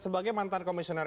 sebagai mantan komisioner